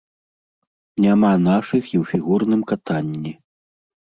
Няма нашых і ў фігурным катанні.